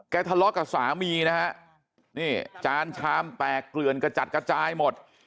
ทะเลาะกับสามีนะฮะนี่จานชามแตกเกลือนกระจัดกระจายหมด